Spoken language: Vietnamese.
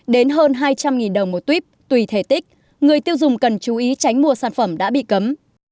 đến hơn hai trăm linh đồng một tuyếp tùy thể tích người tiêu dùng cần chú ý tránh mua sản phẩm đã bị cấm